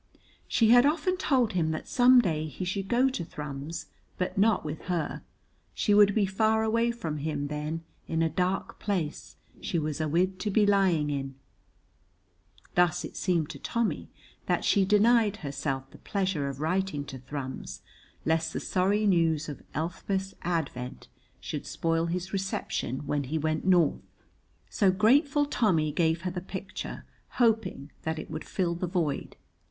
She had often told him that some day he should go to Thrums, but not with her; she would be far away from him then in a dark place she was awid to be lying in. Thus it seemed, to Tommy that she denied herself the pleasure of writing to Thrums lest the sorry news of Elspeth's advent should spoil his reception when he went north. So grateful Tommy gave her the picture, hoping that it would fill the void.